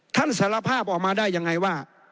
สารภาพออกมาได้ยังไงว่า